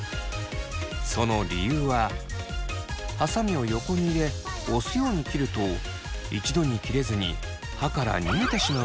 その理由ははさみを横に入れ押すように切ると一度に切れずに刃から逃げてしまう髪が出てしまいます。